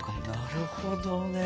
なるほどね。